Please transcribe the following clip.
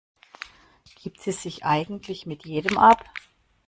Gibt sie sich eigentlich mit jedem ab?